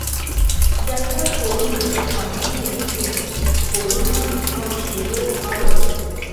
زیاتره کورونه د پخوانیو وچو خوړونو او شیلو غاړو ته